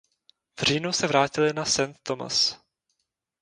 V říjnu se vrátily na Saint Thomas.